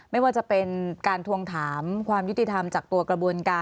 ไม่ว่าจะเป็นการทวงถามความยุติธรรมจากตัวกระบวนการ